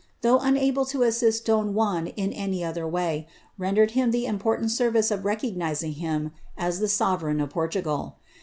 though e to assist don Juan in any other way, rendered him the important e of recognising him as the sovereign of Portugal.